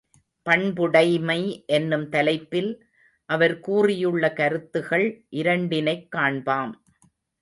பண்புடைமை என்னும் தலைப்பில் அவர் கூறியுள்ள கருத்துகள் இரண்டினைக் காண்பாம்.